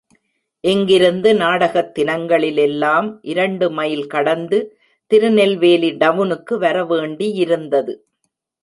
இங்கிருந்து நாடகத் தினங்களிலெல்லாம் இரண்டு மைல் கடந்து திருநெல்வேலி டவுனுக்கு வரவேண்டியிருந்தது.